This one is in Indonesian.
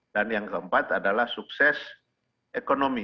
dan yang keempat adalah sukses ekonomi